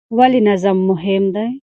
ولې نظم مهم دی؟